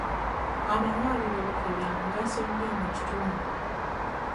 Amalwaliro bifo bya mugaso nnyo mu kitundu.